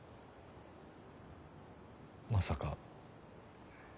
まさか。